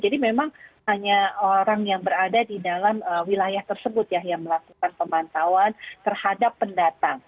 jadi memang hanya orang yang berada di dalam wilayah tersebut yang melakukan pemantauan terhadap pendatang